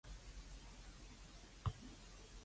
我真係屌你都費事